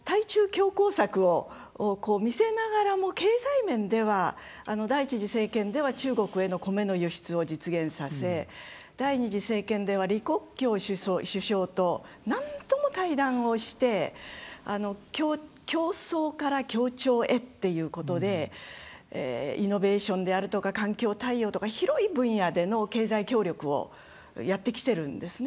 強硬策を見せながらも経済面では第１次政権では中国への米の輸出を実現させ第２次政権では李克強首相と何度も対談をして競争から協調へっていうことでイノベーションであるとか環境対応とか広い分野での経済協力をやってきてるんですね。